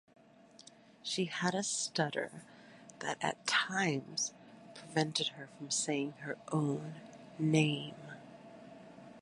She had a stutter that at times prevented her from saying her own name.